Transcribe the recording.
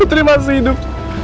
putri masih hidup